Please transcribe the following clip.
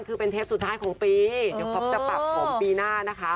คือเป็นเทปสุดท้ายของปีเดี๋ยวก๊อปจะปรับผมปีหน้านะคะ